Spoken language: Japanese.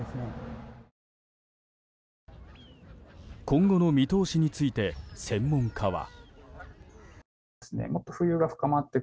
今後の見通しについて専門家は。